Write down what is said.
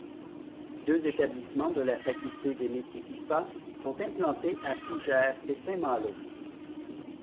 Deux établissements de la Faculté des Métiers-Ifa sont implantés à Fougères et Saint-Malo.